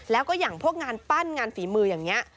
แล้วก็อย่างพวกงานปั้นงานฝีมืออย่างนี้